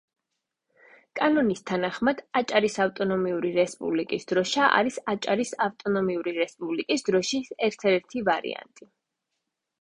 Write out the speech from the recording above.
კანონის თანახმად, აჭარის ავტონომიური რესპუბლიკის დროშა არის აჭარის ავტონომიური რესპუბლიკის დროშის ერთადერთი ვარიანტი.